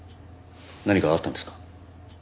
何かあったんですか？